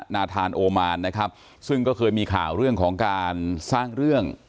นาธานโอมานนะครับซึ่งก็เคยมีข่าวเรื่องของการสร้างเรื่อง